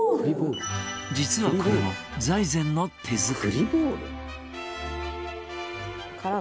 実は、これも財前の手作り。